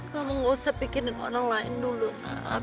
kamu nggak usah bikinin orang lain dulu nak